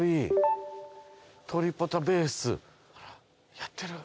やってる。